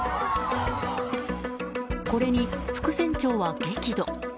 これに副船長は激怒。